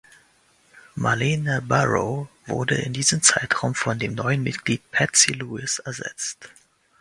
Marlene Barrow wurde in diesem Zeitraum von dem neuen Mitglied Patsy Lewis ersetzt.